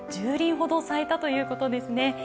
１０輪ほど咲いたということですね。